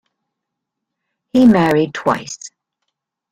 He married twice.